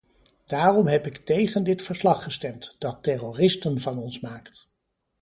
Daarom heb ik tegen dit verslag gestemd, dat terroristen van ons maakt.